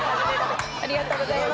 ありがとうございます。